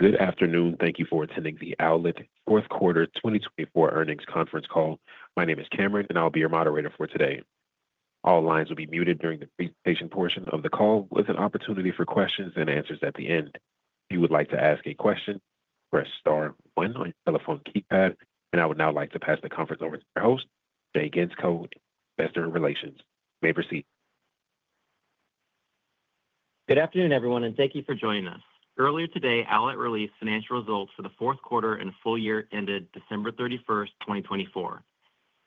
Good afternoon. Thank you for attending the Owlet fourth quarter 2024 earnings conference call. My name is Cameron, and I'll be your moderator for today. All lines will be muted during the presentation portion of the call, with an opportunity for questions and answers at the end. If you would like to ask a question, press star one on your telephone keypad, and I would now like to pass the conference over to our host, Jay Gentzkow, Investor Relations. You may proceed. Good afternoon, everyone, and thank you for joining us. Earlier today, Owlet released financial results for the fourth quarter and full year ended December 31, 2024.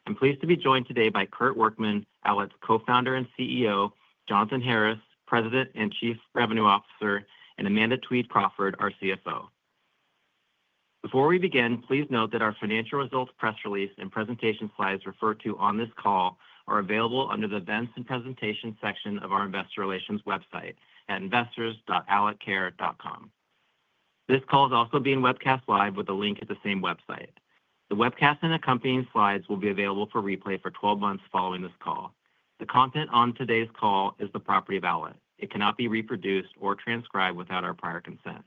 I'm pleased to be joined today by Kurt Workman, Owlet's co-founder and CEO, Jonathan Harris, President and Chief Revenue Officer, and Amanda Twede Crawford, our CFO. Before we begin, please note that our financial results press release and presentation slides referred to on this call are available under the events and presentations section of our Investor Relations website at investors.owletcare.com. This call is also being webcast live with a link at the same website. The webcast and accompanying slides will be available for replay for 12 months following this call. The content on today's call is the property of Owlet. It cannot be reproduced or transcribed without our prior consent.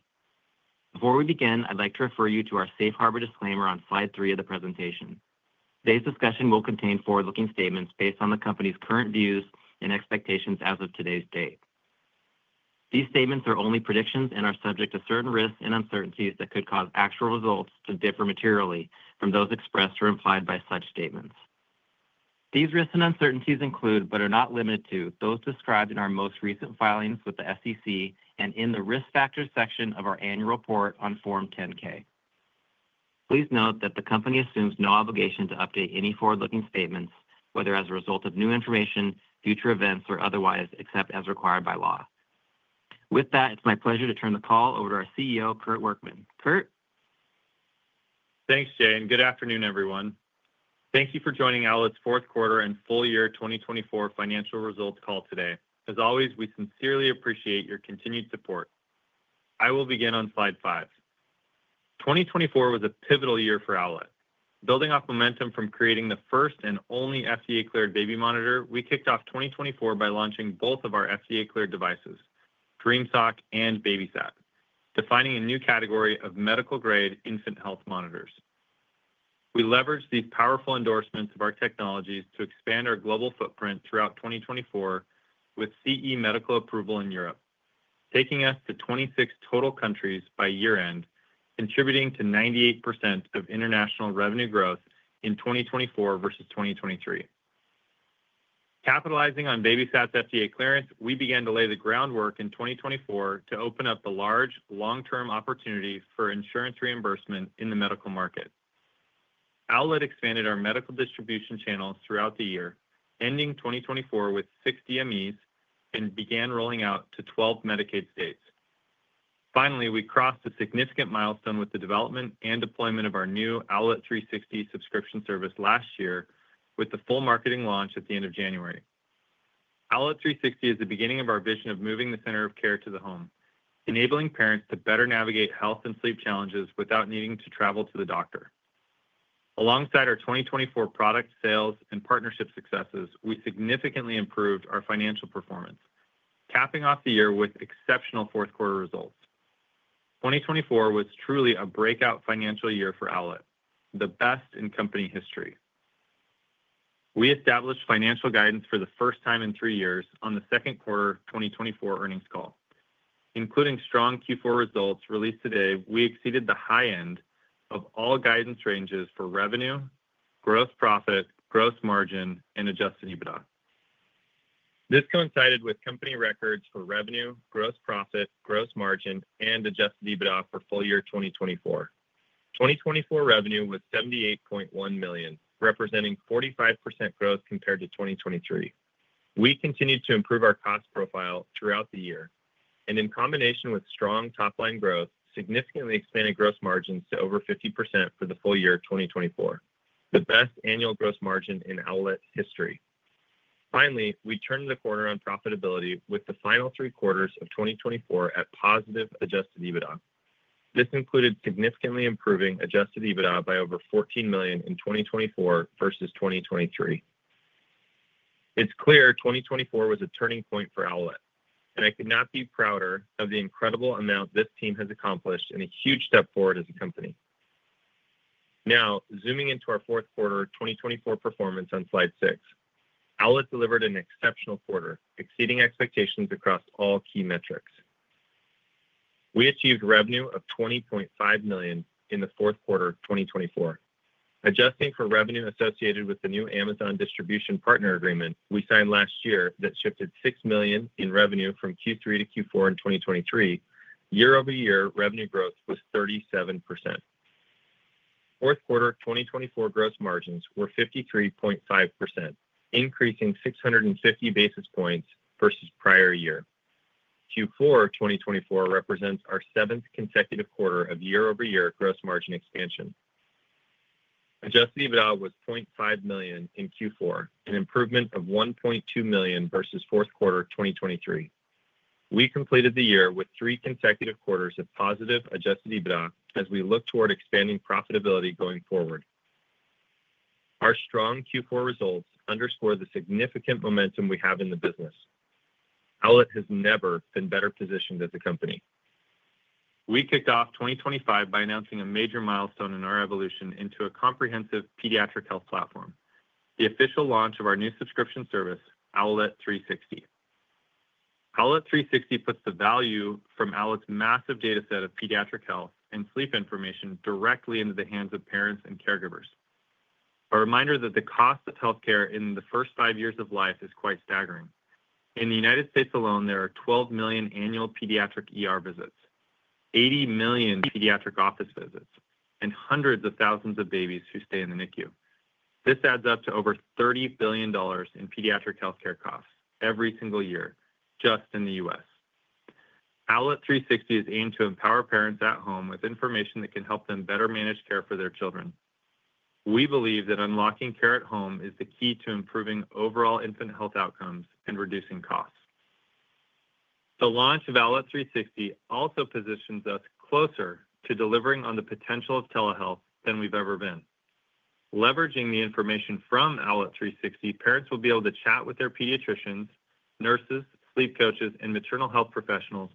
Before we begin, I'd like to refer you to our safe harbor disclaimer on slide three of the presentation. Today's discussion will contain forward-looking statements based on the company's current views and expectations as of today's date. These statements are only predictions and are subject to certain risks and uncertainties that could cause actual results to differ materially from those expressed or implied by such statements. These risks and uncertainties include, but are not limited to, those described in our most recent filings with the SEC and in the risk factors section of our annual report on Form 10-K. Please note that the company assumes no obligation to update any forward-looking statements, whether as a result of new information, future events, or otherwise, except as required by law. With that, it's my pleasure to turn the call over to our CEO, Kurt Workman. Kurt. Thanks, Jay. Good afternoon, everyone. Thank you for joining Owlet's fourth quarter and full year 2024 financial results call today. As always, we sincerely appreciate your continued support. I will begin on slide five. 2024 was a pivotal year for Owlet. Building off momentum from creating the first and only FDA-cleared baby monitor, we kicked off 2024 by launching both of our FDA-cleared devices, Dream Sock and BabySat, defining a new category of medical-grade infant health monitors. We leveraged these powerful endorsements of our technologies to expand our global footprint throughout 2024 with CE medical approval in Europe, taking us to 26 total countries by year-end, contributing to 98% of international revenue growth in 2024 versus 2023. Capitalizing on BabySat's FDA clearance, we began to lay the groundwork in 2024 to open up the large, long-term opportunity for insurance reimbursement in the medical market. Owlet expanded our medical distribution channels throughout the year, ending 2024 with six DMEs and began rolling out to 12 Medicaid states. Finally, we crossed a significant milestone with the development and deployment of our new Owlet 360 subscription service last year, with the full marketing launch at the end of January. Owlet 360 is the beginning of our vision of moving the center of care to the home, enabling parents to better navigate health and sleep challenges without needing to travel to the doctor. Alongside our 2024 product sales and partnership successes, we significantly improved our financial performance, capping off the year with exceptional fourth-quarter results. 2024 was truly a breakout financial year for Owlet, the best in company history. We established financial guidance for the first time in three years on the second quarter 2024 earnings call. Including strong Q4 results released today, we exceeded the high end of all guidance ranges for revenue, gross profit, gross margin, and adjusted EBITDA. This coincided with company records for revenue, gross profit, gross margin, and adjusted EBITDA for full year 2024. 2024 revenue was $78.1 million, representing 45% growth compared to 2023. We continued to improve our cost profile throughout the year, and in combination with strong top-line growth, significantly expanded gross margins to over 50% for the full year 2024, the best annual gross margin in Owlet history. Finally, we turned the corner on profitability with the final three quarters of 2024 at positive adjusted EBITDA. This included significantly improving adjusted EBITDA by over $14 million in 2024 versus 2023. It's clear 2024 was a turning point for Owlet, and I could not be prouder of the incredible amount this team has accomplished and a huge step forward as a company. Now, zooming into our fourth quarter 2024 performance on slide six, Owlet delivered an exceptional quarter, exceeding expectations across all key metrics. We achieved revenue of $20.5 million in the fourth quarter 2024. Adjusting for revenue associated with the new Amazon distribution partner agreement we signed last year that shifted $6 million in revenue from Q3 to Q4 in 2023, year-over-year revenue growth was 37%. Fourth quarter 2024 gross margins were 53.5%, increasing 650 basis points versus prior year. Q4 2024 represents our seventh consecutive quarter of year-over-year gross margin expansion. Adjusted EBITDA was $0.5 million in Q4, an improvement of $1.2 million versus fourth quarter 2023. We completed the year with three consecutive quarters of positive adjusted EBITDA as we look toward expanding profitability going forward. Our strong Q4 results underscore the significant momentum we have in the business. Owlet has never been better positioned as a company. We kicked off 2025 by announcing a major milestone in our evolution into a comprehensive pediatric health platform, the official launch of our new subscription service, Owlet 360. Owlet 360 puts the value from Owlet's massive data set of pediatric health and sleep information directly into the hands of parents and caregivers. A reminder that the cost of healthcare in the first five years of life is quite staggering. In the United States alone, there are 12 million annual pediatric visits, 80 million pediatric office visits, and hundreds of thousands of babies who stay in the NICU. This adds up to over $30 billion in pediatric healthcare costs every single year, just in the U.S. Owlet 360 is aimed to empower parents at home with information that can help them better manage care for their children. We believe that unlocking care at home is the key to improving overall infant health outcomes and reducing costs. The launch of Owlet 360 also positions us closer to delivering on the potential of telehealth than we've ever been. Leveraging the information from Owlet 360, parents will be able to chat with their pediatricians, nurses, sleep coaches, and maternal health professionals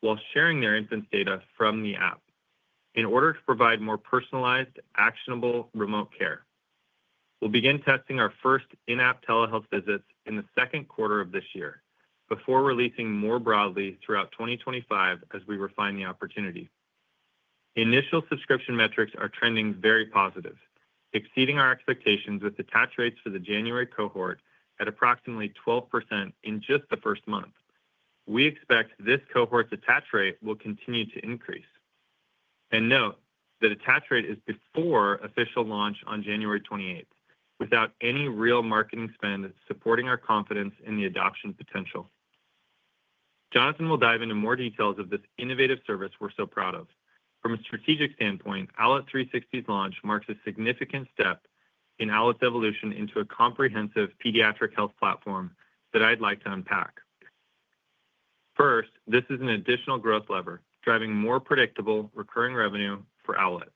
while sharing their infant's data from the app in order to provide more personalized, actionable remote care. We'll begin testing our first in-app telehealth visits in the second quarter of this year before releasing more broadly throughout 2025 as we refine the opportunity. Initial subscription metrics are trending very positive, exceeding our expectations with attach rates for the January cohort at approximately 12% in just the first month. We expect this cohort's attach rate will continue to increase. Note that attach rate is before official launch on January 28, without any real marketing spend supporting our confidence in the adoption potential. Jonathan will dive into more details of this innovative service we're so proud of. From a strategic standpoint, Owlet 360's launch marks a significant step in Owlet's evolution into a comprehensive pediatric health platform that I'd like to unpack. First, this is an additional growth lever driving more predictable recurring revenue for Owlet.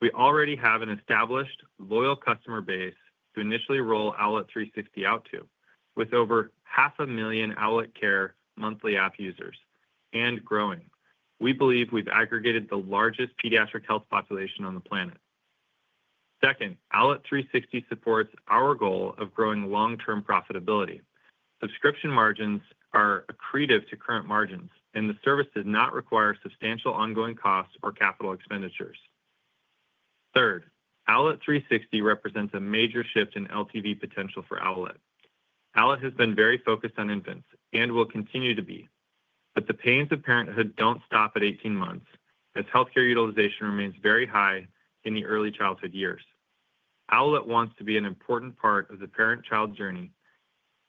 We already have an established, loyal customer base to initially roll Owlet 360 out to, with over 500,000 Owlet Care monthly app users and growing. We believe we've aggregated the largest pediatric health population on the planet. Second, Owlet 360 supports our goal of growing long-term profitability. Subscription margins are accretive to current margins, and the service does not require substantial ongoing costs or capital expenditures. Third, Owlet 360 represents a major shift in LTV potential for Owlet. Owlet has been very focused on infants and will continue to be, but the pains of parenthood don't stop at 18 months as healthcare utilization remains very high in the early childhood years. Owlet wants to be an important part of the parent-child journey,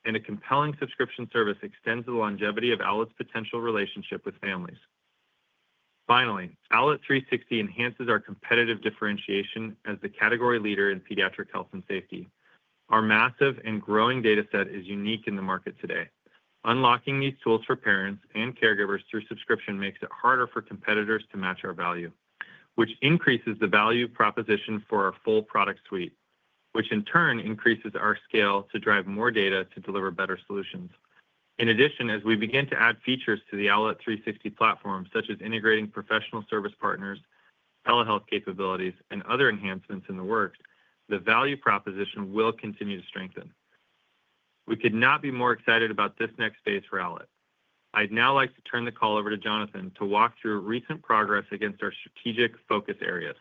and a compelling subscription service extends the longevity of Owlet's potential relationship with families. Finally, Owlet 360 enhances our competitive differentiation as the category leader in pediatric health and safety. Our massive and growing data set is unique in the market today. Unlocking these tools for parents and caregivers through subscription makes it harder for competitors to match our value, which increases the value proposition for our full product suite, which in turn increases our scale to drive more data to deliver better solutions. In addition, as we begin to add features to the Owlet 360 platform, such as integrating professional service partners, telehealth capabilities, and other enhancements in the works, the value proposition will continue to strengthen. We could not be more excited about this next phase for Owlet. I'd now like to turn the call over to Jonathan to walk through recent progress against our strategic focus areas.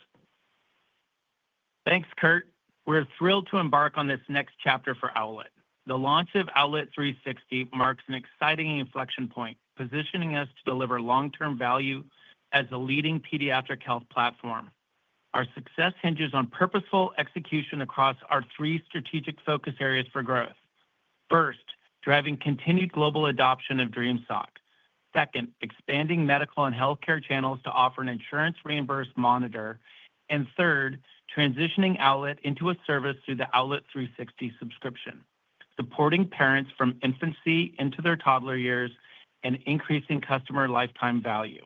Thanks, Kurt. We're thrilled to embark on this next chapter for Owlet. The launch of Owlet 360 marks an exciting inflection point, positioning us to deliver long-term value as a leading pediatric health platform. Our success hinges on purposeful execution across our three strategic focus areas for growth. First, driving continued global adoption of Dream Sock. Second, expanding medical and healthcare channels to offer an insurance-reimbursed monitor. Third, transitioning Owlet into a service through the Owlet 360 subscription, supporting parents from infancy into their toddler years and increasing customer lifetime value.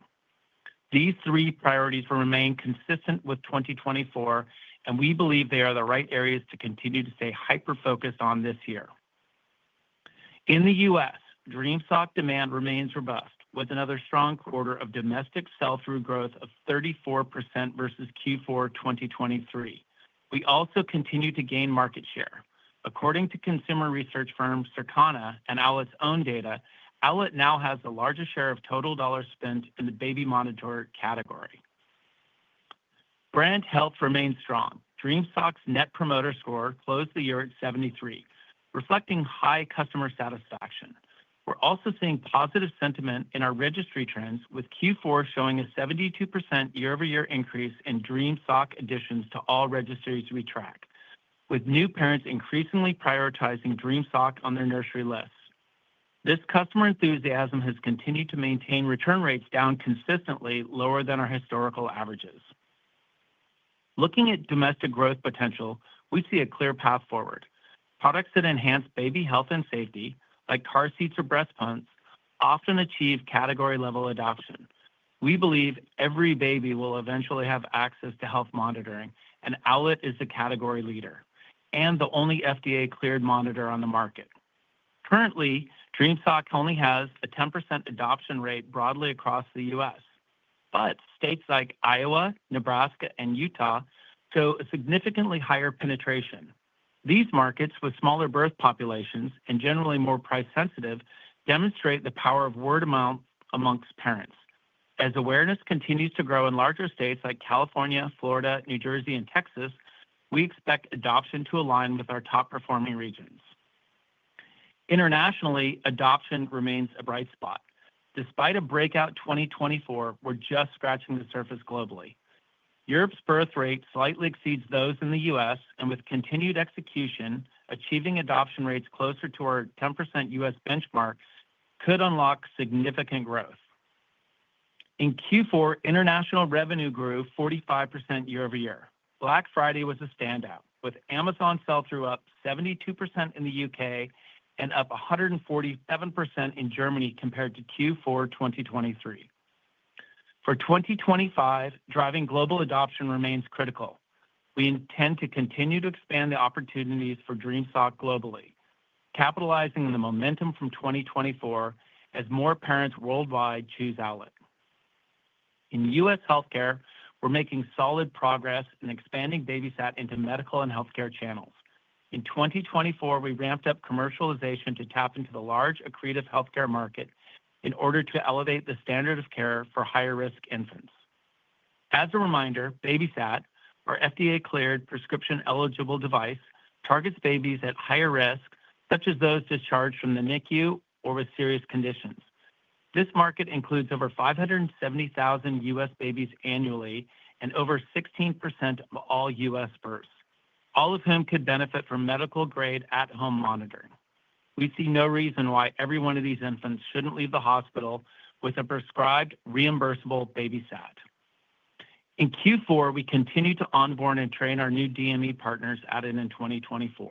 These three priorities will remain consistent with 2024, and we believe they are the right areas to continue to stay hyper-focused on this year. In the U.S., Dream Sock demand remains robust, with another strong quarter of domestic sell-through growth of 34% versus Q4 2023. We also continue to gain market share. According to consumer research firm Circana and Owlet's own data, Owlet now has the largest share of total dollars spent in the baby monitor category. Brand health remains strong. Dream Sock's net promoter score closed the year at 73, reflecting high customer satisfaction. We're also seeing positive sentiment in our registry trends, with Q4 showing a 72% year-over-year increase in Dream Sock additions to all registries we track, with new parents increasingly prioritizing Dream Sock on their nursery lists. This customer enthusiasm has continued to maintain return rates down consistently lower than our historical averages. Looking at domestic growth potential, we see a clear path forward. Products that enhance baby health and safety, like car seats or breast pumps, often achieve category-level adoption. We believe every baby will eventually have access to health monitoring, and Owlet is the category leader and the only FDA-cleared monitor on the market. Currently, Dream Sock only has a 10% adoption rate broadly across the U.S., but states like Iowa, Nebraska, and Utah show a significantly higher penetration. These markets, with smaller birth populations and generally more price-sensitive, demonstrate the power of word of mouth amongst parents. As awareness continues to grow in larger states like California, Florida, New Jersey, and Texas, we expect adoption to align with our top-performing regions. Internationally, adoption remains a bright spot. Despite a breakout 2024, we're just scratching the surface globally. Europe's birth rate slightly exceeds those in the U.S., and with continued execution, achieving adoption rates closer to our 10% U.S. benchmark could unlock significant growth. In Q4, international revenue grew 45% year-over-year. Black Friday was a standout, with Amazon sell-through up 72% in the U.K. and up 147% in Germany compared to Q4 2023. For 2025, driving global adoption remains critical. We intend to continue to expand the opportunities for Dream Sock globally, capitalizing on the momentum from 2024 as more parents worldwide choose Owlet. In U.S. healthcare, we're making solid progress in expanding BabySat into medical and healthcare channels. In 2024, we ramped up commercialization to tap into the large accretive healthcare market in order to elevate the standard of care for higher-risk infants. As a reminder, BabySat, our FDA-cleared prescription-eligible device, targets babies at higher risk, such as those discharged from the NICU or with serious conditions. This market includes over 570,000 U.S. babies annually and over 16% of all U.S. births, all of whom could benefit from medical-grade at-home monitoring. We see no reason why every one of these infants shouldn't leave the hospital with a prescribed reimbursable BabySat. In Q4, we continue to onboard and train our new DME partners added in 2024.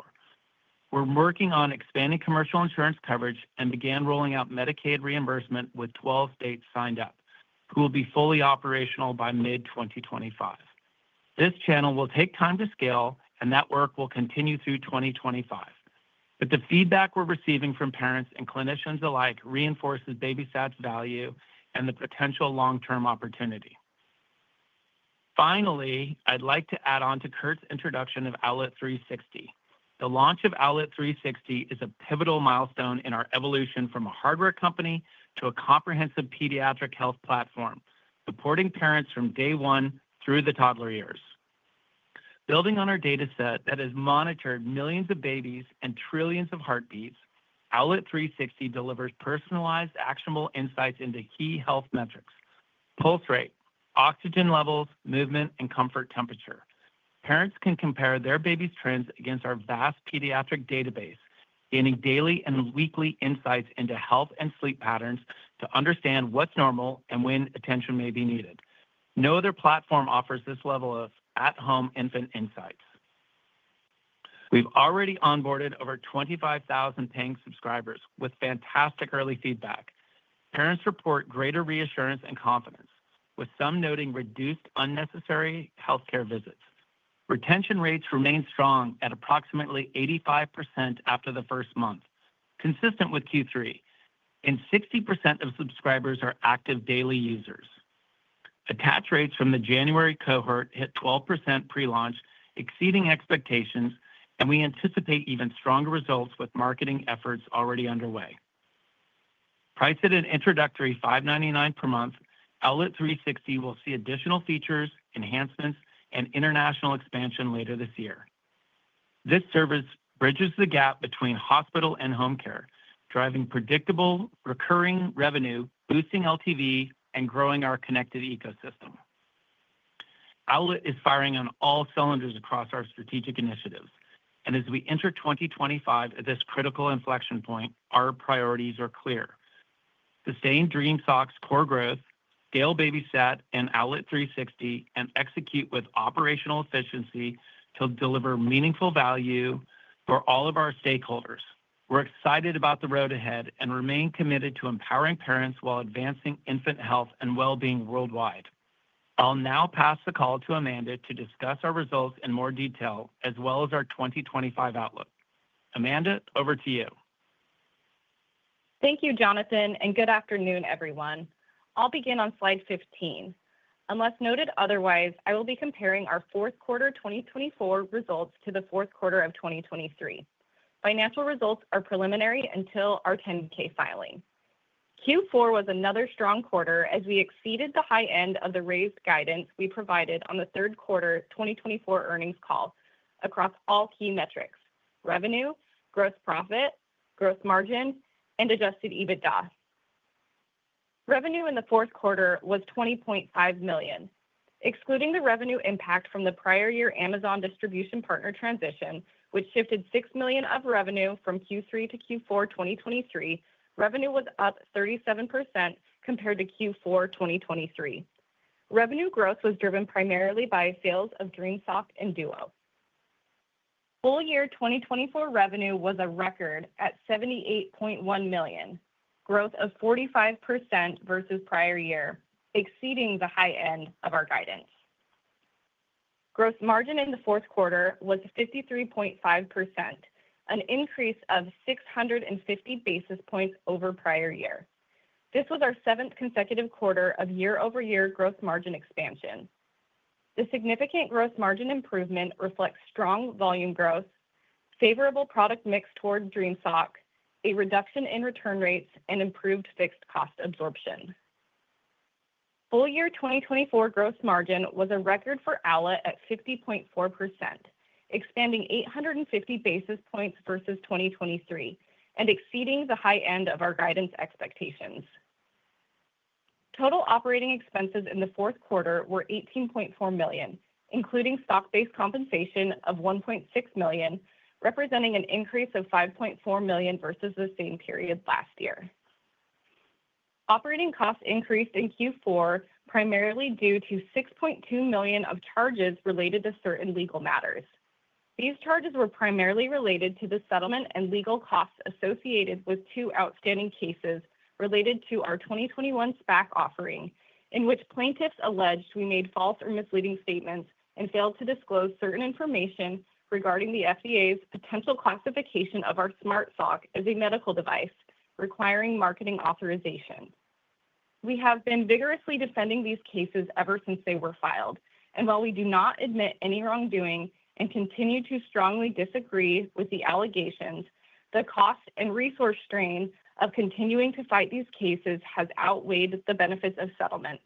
We're working on expanding commercial insurance coverage and began rolling out Medicaid reimbursement with 12 states signed up, who will be fully operational by mid-2025. This channel will take time to scale, and that work will continue through 2025. The feedback we're receiving from parents and clinicians alike reinforces BabySat's value and the potential long-term opportunity. Finally, I'd like to add on to Kurt's introduction of Owlet 360. The launch of Owlet 360 is a pivotal milestone in our evolution from a hardware company to a comprehensive pediatric health platform, supporting parents from day one through the toddler years. Building on our data set that has monitored millions of babies and trillions of heartbeats, Owlet 360 delivers personalized, actionable insights into key health metrics: pulse rate, oxygen levels, movement, and comfort temperature. Parents can compare their baby's trends against our vast pediatric database, gaining daily and weekly insights into health and sleep patterns to understand what's normal and when attention may be needed. No other platform offers this level of at-home infant insights. We've already onboarded over 25,000 paying subscribers with fantastic early feedback. Parents report greater reassurance and confidence, with some noting reduced unnecessary healthcare visits. Retention rates remain strong at approximately 85% after the first month, consistent with Q3, and 60% of subscribers are active daily users. Attach rates from the January cohort hit 12% pre-launch, exceeding expectations, and we anticipate even stronger results with marketing efforts already underway. Priced at an introductory $5.99 per month, Owlet 360 will see additional features, enhancements, and international expansion later this year. This service bridges the gap between hospital and home care, driving predictable recurring revenue, boosting LTV, and growing our connected ecosystem. Owlet is firing on all cylinders across our strategic initiatives. As we enter 2025 at this critical inflection point, our priorities are clear. Sustain Dream Sock's core growth, scale BabySat and Owlet 360, and execute with operational efficiency to deliver meaningful value for all of our stakeholders. We're excited about the road ahead and remain committed to empowering parents while advancing infant health and well-being worldwide. I'll now pass the call to Amanda to discuss our results in more detail as well as our 2025 outlook. Amanda, over to you. Thank you, Jonathan, and good afternoon, everyone. I'll begin on slide 15. Unless noted otherwise, I will be comparing our fourth quarter 2024 results to the fourth quarter of 2023. Financial results are preliminary until our 10-K filing. Q4 was another strong quarter as we exceeded the high end of the raised guidance we provided on the third quarter 2024 earnings call across all key metrics: revenue, gross profit, gross margin, and adjusted EBITDA. Revenue in the fourth quarter was $20.5 million. Excluding the revenue impact from the prior year Amazon distribution partner transition, which shifted $6 million of revenue from Q3-Q4 2023, revenue was up 37% compared to Q4 2023. Revenue growth was driven primarily by sales of Dream Sock and Duo. Full year 2024 revenue was a record at $78.1 million, growth of 45% versus prior year, exceeding the high end of our guidance. Gross margin in the fourth quarter was 53.5%, an increase of 650 basis points over prior year. This was our seventh consecutive quarter of year-over-year gross margin expansion. The significant gross margin improvement reflects strong volume growth, favorable product mix toward Dream Sock, a reduction in return rates, and improved fixed cost absorption. Full year 2024 gross margin was a record for Owlet at 50.4%, expanding 850 basis points versus 2023 and exceeding the high end of our guidance expectations. Total operating expenses in the fourth quarter were $18.4 million, including stock-based compensation of $1.6 million, representing an increase of $5.4 million versus the same period last year. Operating costs increased in Q4 primarily due to $6.2 million of charges related to certain legal matters. These charges were primarily related to the settlement and legal costs associated with two outstanding cases related to our 2021 SPAC offering, in which plaintiffs alleged we made false or misleading statements and failed to disclose certain information regarding the FDA's potential classification of our Smart Sock as a medical device requiring marketing authorization. We have been vigorously defending these cases ever since they were filed. While we do not admit any wrongdoing and continue to strongly disagree with the allegations, the cost and resource strain of continuing to fight these cases has outweighed the benefits of settlement.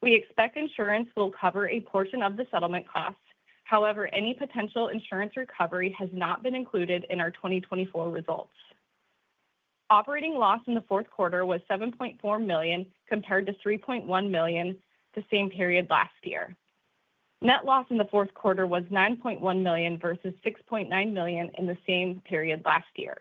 We expect insurance will cover a portion of the settlement costs. However, any potential insurance recovery has not been included in our 2024 results. Operating loss in the fourth quarter was $7.4 million compared to $3.1 million the same period last year. Net loss in the fourth quarter was $9.1 million versus $6.9 million in the same period last year.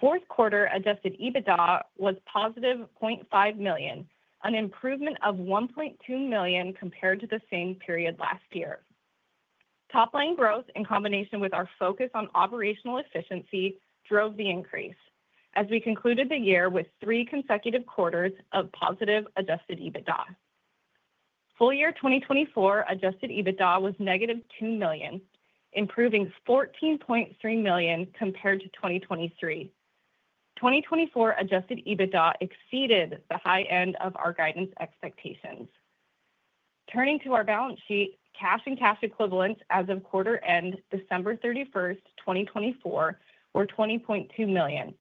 Fourth quarter adjusted EBITDA was positive $0.5 million, an improvement of $1.2 million compared to the same period last year. Top-line growth in combination with our focus on operational efficiency drove the increase, as we concluded the year with three consecutive quarters of positive adjusted EBITDA. Full year 2024 adjusted EBITDA was negative $2 million, improving $14.3 million compared to 2023. 2024 adjusted EBITDA exceeded the high end of our guidance expectations. Turning to our balance sheet, cash and cash equivalents as of quarter end December 31, 2024, were $20.2 million,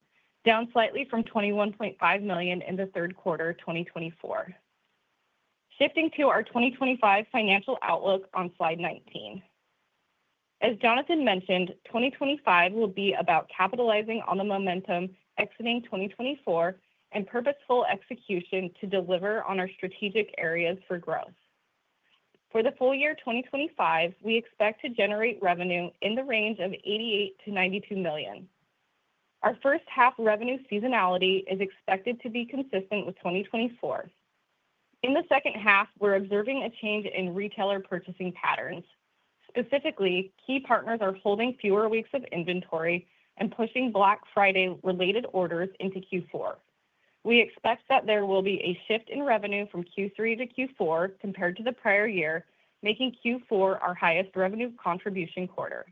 down slightly from $21.5 million in the third quarter 2024. Shifting to our 2025 financial outlook on slide 19. As Jonathan mentioned, 2025 will be about capitalizing on the momentum exiting 2024 and purposeful execution to deliver on our strategic areas for growth. For the full year 2025, we expect to generate revenue in the range of $88-$92 million. Our first half revenue seasonality is expected to be consistent with 2024. In the second half, we're observing a change in retailer purchasing patterns. Specifically, key partners are holding fewer weeks of inventory and pushing Black Friday-related orders into Q4. We expect that there will be a shift in revenue from Q3-Q4 compared to the prior year, making Q4 our highest revenue contribution quarter.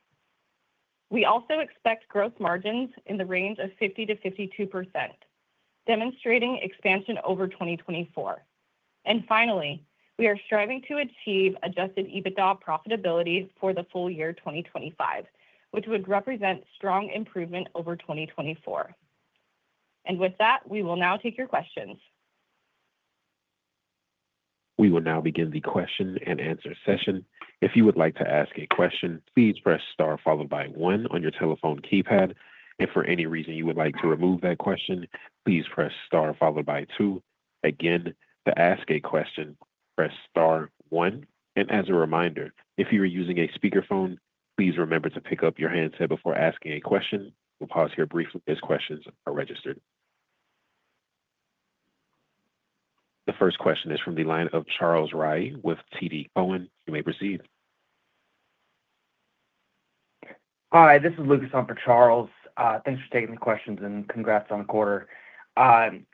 We also expect gross margins in the range of 50%-52%, demonstrating expansion over 2024. Finally, we are striving to achieve adjusted EBITDA profitability for the full year 2025, which would represent strong improvement over 2024. We will now take your questions. We will now begin the question and answer session. If you would like to ask a question, please press star followed by one on your telephone keypad. If for any reason you would like to remove that question, please press star followed by two. Again, to ask a question, press star one. As a reminder, if you are using a speakerphone, please remember to pick up your handset before asking a question. We'll pause here briefly as questions are registered. The first question is from the line of Charles Rhyee with TD Cowen. You may proceed. Hi, this is Lucas Humphrey Charles. Thanks for taking the questions and congrats on the quarter. In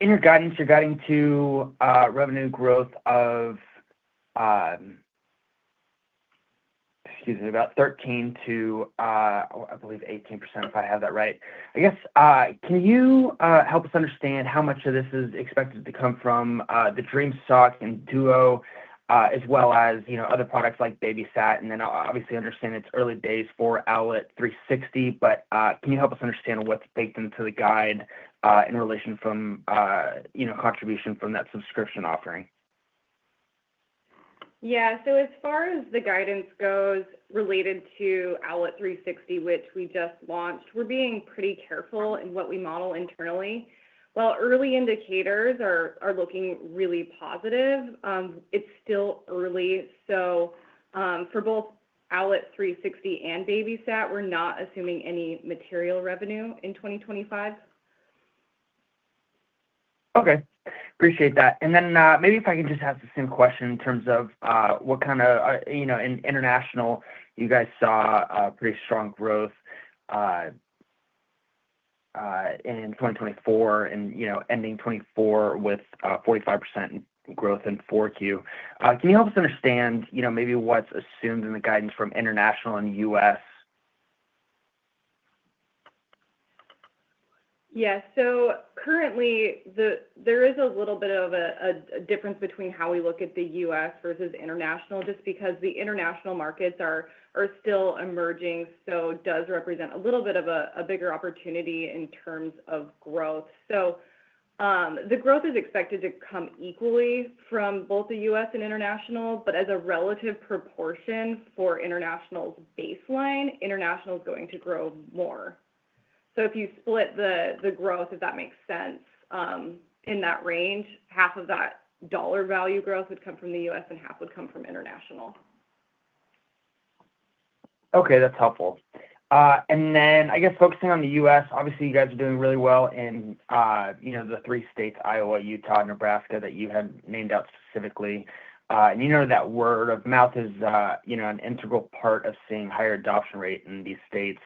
your guidance, you're guiding to revenue growth of, excuse me, about 13-18%, if I have that right. I guess, can you help us understand how much of this is expected to come from the Dream Sock and Duo, as well as other products like BabySat? I obviously understand it's early days for Owlet 360, but can you help us understand what's baked into the guide in relation from contribution from that subscription offering? Yeah. As far as the guidance goes related to Owlet 360, which we just launched, we're being pretty careful in what we model internally. While early indicators are looking really positive, it's still early. For both Owlet 360 and BabySat, we're not assuming any material revenue in 2025. Okay. Appreciate that. Maybe if I can just ask the same question in terms of what kind of international, you guys saw pretty strong growth in 2024 and ending 2024 with 45% growth in Q4. Can you help us understand maybe what's assumed in the guidance from international and U.S.? Yeah. Currently, there is a little bit of a difference between how we look at the U.S. versus international, just because the international markets are still emerging, so it does represent a little bit of a bigger opportunity in terms of growth. The growth is expected to come equally from both the U.S. and international, but as a relative proportion for international's baseline, international is going to grow more. If you split the growth, if that makes sense, in that range, half of that dollar value growth would come from the U.S. and half would come from international. Okay. That's helpful. I guess focusing on the US, obviously, you guys are doing really well in the three states, Iowa, Utah, Nebraska that you had named out specifically. You know that word of mouth is an integral part of seeing higher adoption rate in these states.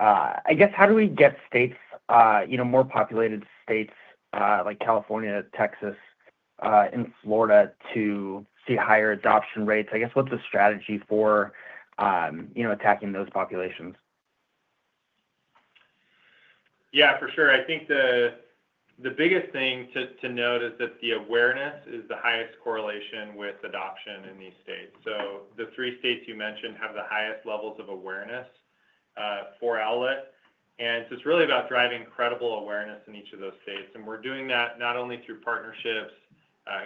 I guess, how do we get states, more populated states like California, Texas, and Florida to see higher adoption rates? I guess, what's the strategy for attacking those populations? Yeah, for sure. I think the biggest thing to note is that the awareness is the highest correlation with adoption in these states. The three states you mentioned have the highest levels of awareness for Owlet. It is really about driving credible awareness in each of those states. We are doing that not only through partnerships,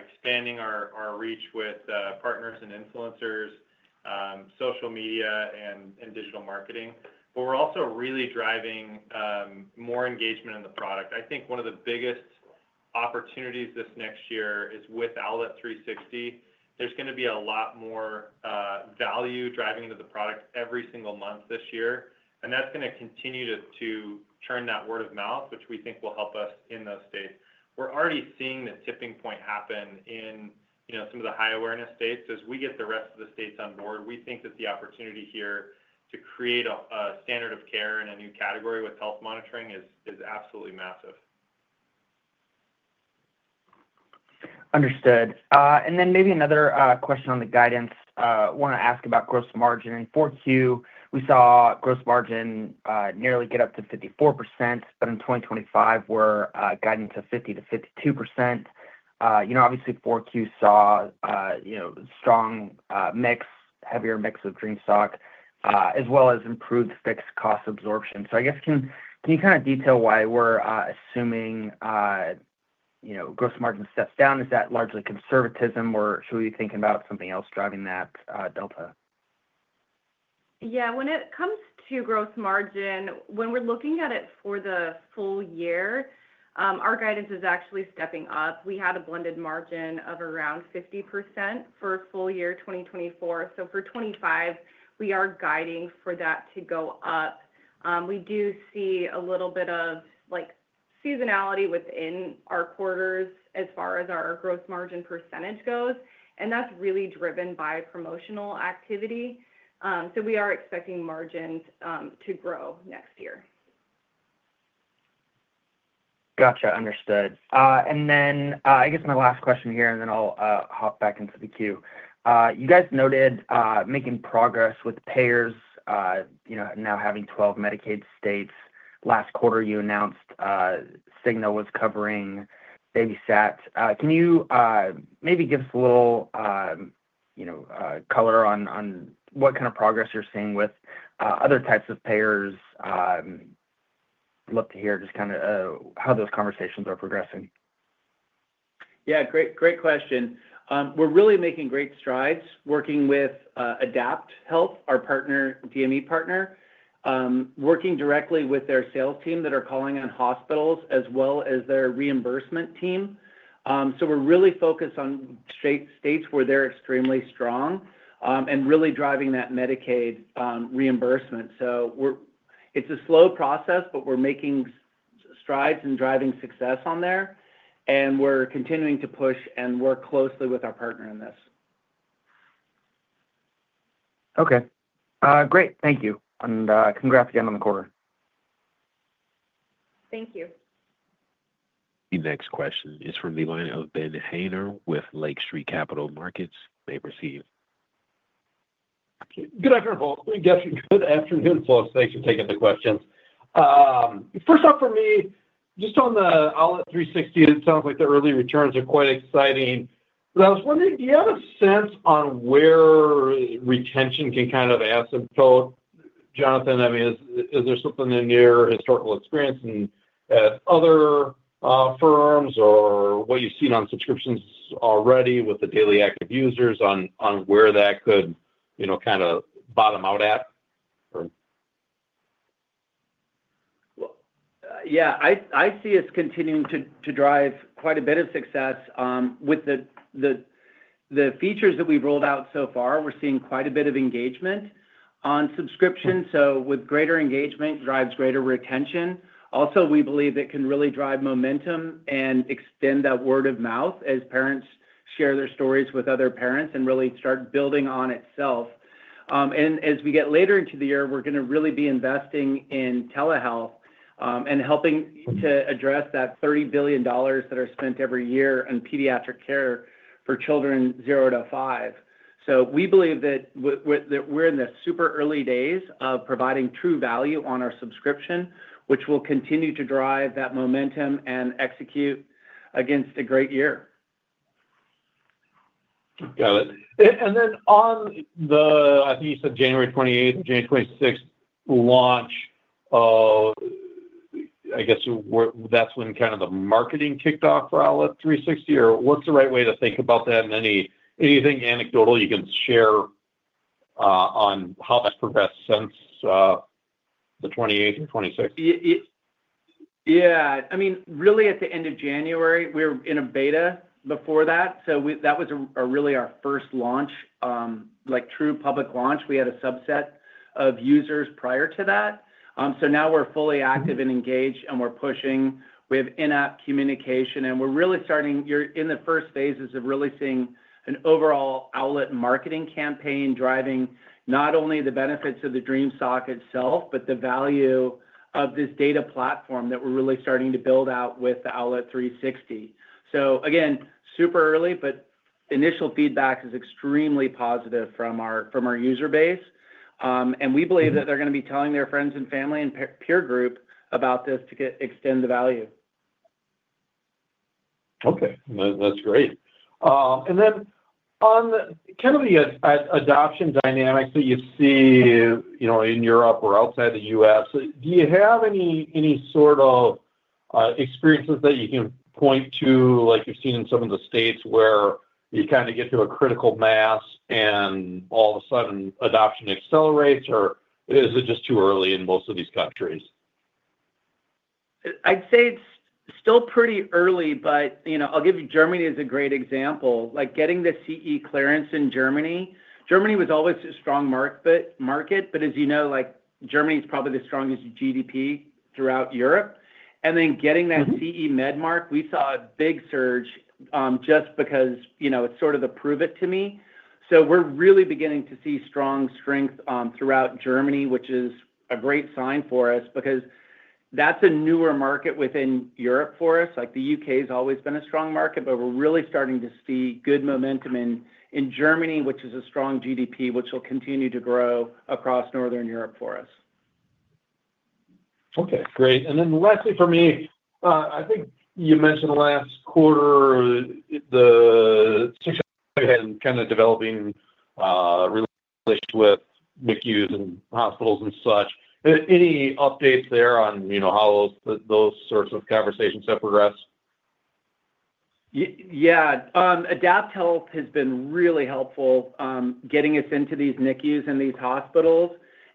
expanding our reach with partners and influencers, social media, and digital marketing, but we are also really driving more engagement in the product. I think one of the biggest opportunities this next year is with Owlet 360. There is going to be a lot more value driving into the product every single month this year. That is going to continue to turn that word of mouth, which we think will help us in those states. We are already seeing the tipping point happen in some of the high awareness states. As we get the rest of the states on board, we think that the opportunity here to create a standard of care in a new category with health monitoring is absolutely massive. Understood. Maybe another question on the guidance. I want to ask about gross margin. In 4Q, we saw gross margin nearly get up to 54%, but in 2025, we're guiding to 50-52%. Obviously, 4Q saw a strong mix, heavier mix of Dream Sock, as well as improved fixed cost absorption. I guess, can you kind of detail why we're assuming gross margin steps down? Is that largely conservatism, or should we be thinking about something else driving that delta? Yeah. When it comes to gross margin, when we're looking at it for the full year, our guidance is actually stepping up. We had a blended margin of around 50% for full year 2024. For 2025, we are guiding for that to go up. We do see a little bit of seasonality within our quarters as far as our gross margin percentage goes. That is really driven by promotional activity. We are expecting margins to grow next year. Gotcha. Understood. I guess my last question here, and then I'll hop back into the queue. You guys noted making progress with payers now having 12 Medicaid states. Last quarter, you announced Cigna was covering BabySat. Can you maybe give us a little color on what kind of progress you're seeing with other types of payers? Look to hear just kind of how those conversations are progressing. Yeah. Great question. We're really making great strides working with AdaptHealth, our DME partner, working directly with their sales team that are calling on hospitals as well as their reimbursement team. We're really focused on states where they're extremely strong and really driving that Medicaid reimbursement. It's a slow process, but we're making strides and driving success on there. We're continuing to push and work closely with our partner in this. Okay. Great. Thank you. Congrats again on the quarter. Thank you. The next question is from the line of Ben Haynor with Lake Street Capital Markets. May proceed. Good afternoon. Good afternoon. Thanks for taking the questions. First off, for me, just on the Owlet 360, it sounds like the early returns are quite exciting. I was wondering, do you have a sense on where retention can kind of asymptote? Jonathan, I mean, is there something in your historical experience in other firms or what you've seen on subscriptions already with the daily active users on where that could kind of bottom out at? Yeah. I see it's continuing to drive quite a bit of success. With the features that we've rolled out so far, we're seeing quite a bit of engagement on subscription. With greater engagement drives greater retention. Also, we believe it can really drive momentum and extend that word of mouth as parents share their stories with other parents and really start building on itself. As we get later into the year, we're going to really be investing in telehealth and helping to address that $30 billion that are spent every year in pediatric care for children 0 to 5. We believe that we're in the super early days of providing true value on our subscription, which will continue to drive that momentum and execute against a great year. Got it. On the, I think you said January 28th or January 26th launch, I guess that's when kind of the marketing kicked off for Owlet 360, or what's the right way to think about that? Anything anecdotal you can share on how that's progressed since the 28th or 26th? Yeah. I mean, really at the end of January, we were in a beta before that. That was really our first launch, true public launch. We had a subset of users prior to that. Now we're fully active and engaged, and we're pushing. We have in-app communication, and we're really starting in the first phases of really seeing an overall Owlet marketing campaign driving not only the benefits of the Dream Sock itself, but the value of this data platform that we're really starting to build out with the Owlet 360. Again, super early, but initial feedback is extremely positive from our user base. We believe that they're going to be telling their friends and family and peer group about this to extend the value. Okay. That's great. On kind of the adoption dynamics that you see in Europe or outside the U.S., do you have any sort of experiences that you can point to, like you've seen in some of the states where you kind of get to a critical mass and all of a sudden adoption accelerates, or is it just too early in most of these countries? I'd say it's still pretty early, but I'll give you Germany as a great example. Getting the CE clearance in Germany, Germany was always a strong market, but as you know, Germany's probably the strongest GDP throughout Europe. Getting that CE med mark, we saw a big surge just because it's sort of the prove it to me. We're really beginning to see strong strength throughout Germany, which is a great sign for us because that's a newer market within Europe for us. The U.K. has always been a strong market, but we're really starting to see good momentum in Germany, which is a strong GDP, which will continue to grow across northern Europe for us. Okay. Great. Lastly for me, I think you mentioned last quarter, the sixth quarter had kind of developing relationships with NICUs and hospitals and such. Any updates there on how those sorts of conversations have progressed? Yeah. Adapt Health has been really helpful getting us into these NICUs and these hospitals.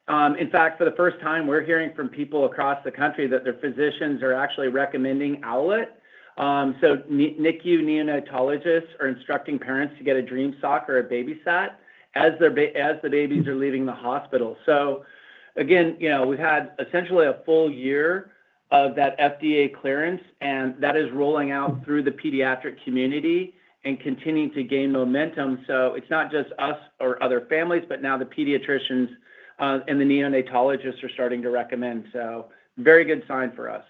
In fact, for the first time, we're hearing from people across the country that their physicians are actually recommending Owlet. NICU neonatologists are instructing parents to get a Dream Sock or a BabySat as the babies are leaving the hospital. We have had essentially a full year of that FDA clearance, and that is rolling out through the pediatric community and continuing to gain momentum. It is not just us or other families, but now the pediatricians and the neonatologists are starting to recommend. Very good sign for us.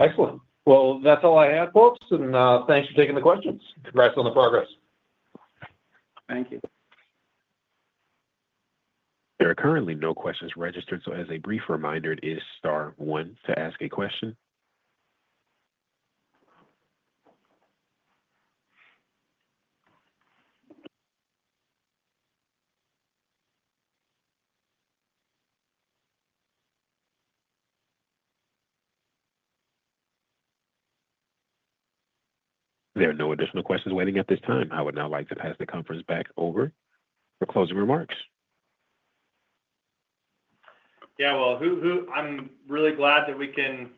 Excellent. That's all I have, folks. Thanks for taking the questions. Congrats on the progress. Thank you. There are currently no questions registered. As a brief reminder, it is star one to ask a question. There are no additional questions waiting at this time. I would now like to pass the conference back over for closing remarks. Yeah. I am really glad that we can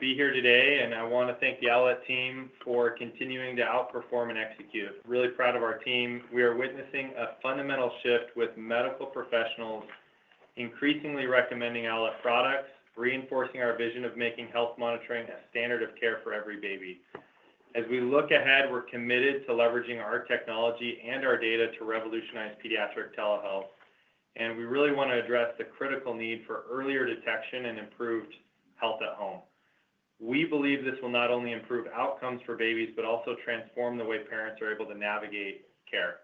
be here today. I want to thank the Owlet team for continuing to outperform and execute. Really proud of our team. We are witnessing a fundamental shift with medical professionals increasingly recommending Owlet products, reinforcing our vision of making health monitoring a standard of care for every baby. As we look ahead, we are committed to leveraging our technology and our data to revolutionize pediatric telehealth. We really want to address the critical need for earlier detection and improved health at home. We believe this will not only improve outcomes for babies, but also transform the way parents are able to navigate care.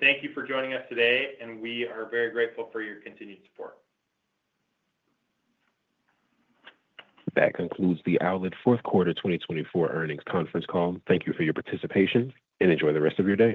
Thank you for joining us today, and we are very grateful for your continued support. That concludes the Owlet fourth quarter 2024 earnings conference call. Thank you for your participation, and enjoy the rest of your day.